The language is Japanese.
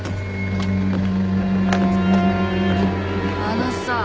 あのさあ。